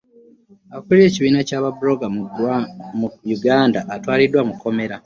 Akulira ekibiina kyaba blogger mu Uganda atwaliddwa mu kkomera.